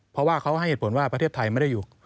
เพราะว่าเขาให้เหตุผลว่าประเทศไทยไม่ได้อยู่